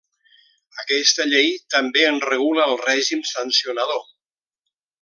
Aquesta llei també en regula el règim sancionador.